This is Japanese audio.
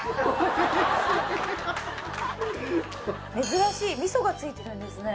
珍しい味噌がついてるんですね・